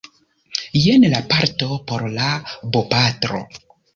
Jen la parto por la bopatro